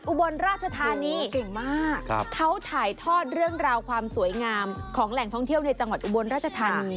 อุบลราชธานีเก่งมากเขาถ่ายทอดเรื่องราวความสวยงามของแหล่งท่องเที่ยวในจังหวัดอุบลราชธานี